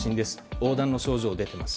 黄疸の症状が出ています。